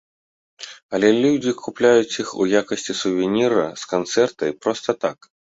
Але людзі купляюць іх, у якасці сувеніра з канцэрта і проста так.